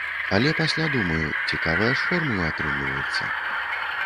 Але пасля думаю, цікавая ж формула атрымліваецца.